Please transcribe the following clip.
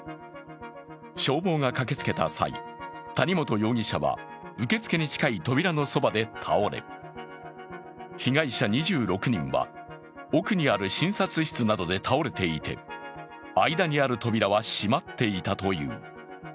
消防が駆けつけた際、谷本容疑者は受付に近い扉のそばで倒れ、被害者２６人は奥にある診察室などで倒れていて、間にある扉は閉まっていたという。